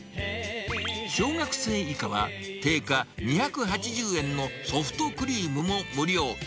小学生以下は、定価２８０円のソフトクリームも無料。